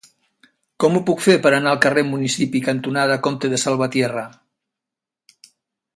Com ho puc fer per anar al carrer Municipi cantonada Comte de Salvatierra?